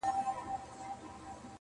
نڅول چي یې سورونو د کیږدیو سهارونه،